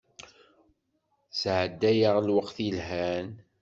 Sɛeddayeɣ lweqt yelhan.